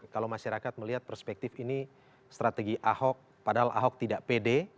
kalau masyarakat melihat perspektif ini strategi ahok padahal ahok tidak pede